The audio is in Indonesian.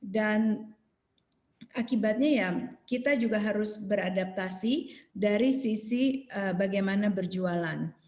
dan akibatnya ya kita juga harus beradaptasi dari sisi bagaimana berjualan